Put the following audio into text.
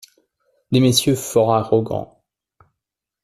Des messieurs fort arrogants.